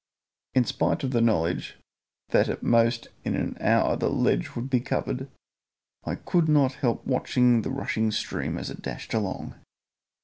In spite of the knowledge that at most in an hour the ledge would be covered I could not help watching the rushing stream as it dashed along.